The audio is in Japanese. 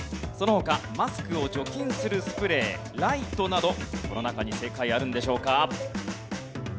その他マスクを除菌するスプレーライトなどこの中に正解あるんでしょうか？